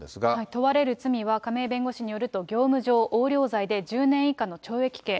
問われる罪は、亀井弁護士によると、業務上横領罪で１０年以下の懲役刑。